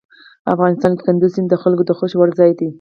افغانستان کې کندز سیند د خلکو د خوښې وړ ځای دی.